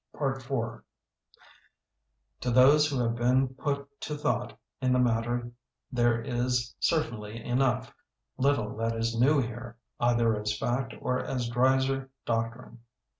IV To those who have been put to thought in the matter there is, cer tainly enough, little that is new here, either as fact or as Dreiser doctrine.